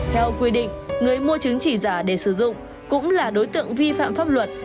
theo quy định người mua chứng chỉ giả để sử dụng cũng là đối tượng vi phạm pháp luật